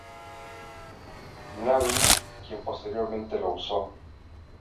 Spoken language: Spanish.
Navy, quien posteriormente lo usó.